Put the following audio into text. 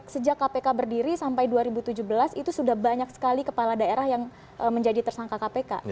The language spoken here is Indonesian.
sejak kpk berdiri sampai dua ribu tujuh belas itu sudah banyak sekali kepala daerah yang menjadi tersangka kpk